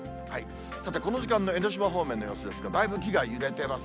さて、この時間の江の島方面の様子ですけれども、だいぶ木が揺れてます。